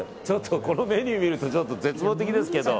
このメニュー見ると絶望的ですけど。